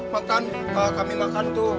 makan kami makan tuh